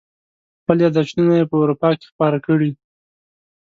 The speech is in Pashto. خپل یاداشتونه یې په اروپا کې خپاره کړي.